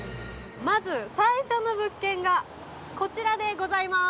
まず最初の物件がこちらでございます。